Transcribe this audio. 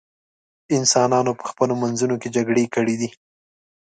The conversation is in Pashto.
انسانانو په خپلو منځونو کې جګړې کړې دي.